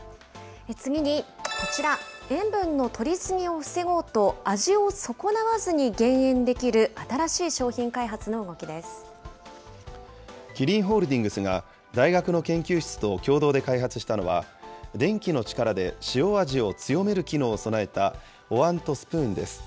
次にこちら、塩分のとり過ぎを防ごうと、味を損なわずに減塩キリンホールディングスが、大学の研究室と共同で開発したのは、電気の力で塩味を強める機能を備えたおわんとスプーンです。